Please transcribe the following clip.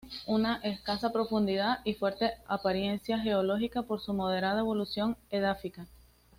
Poseen una escasa profundidad y fuerte apariencia geológica por su moderada evolución edáfica.